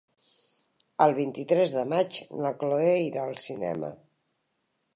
El vint-i-tres de maig na Chloé irà al cinema.